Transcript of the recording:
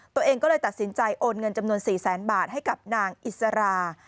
ตัวเองก็เลยตัดสินใจโอนเงินจำนวน๔แสนบาทให้กับนางอิสรา